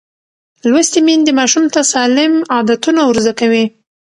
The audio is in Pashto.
لوستې میندې ماشوم ته سالم عادتونه ورزده کوي.